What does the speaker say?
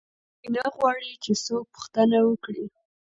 دوی نه غواړي چې څوک پوښتنه وکړي.